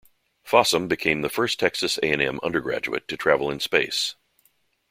Fossum became the first Texas A and M undergraduate to travel to space.